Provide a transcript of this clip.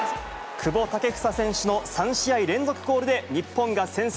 久保建英選手の３試合連続ゴールで、日本が先制。